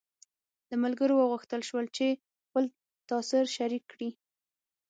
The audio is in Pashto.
له ملګرو وغوښتل شول چې خپل تاثر شریک کړي.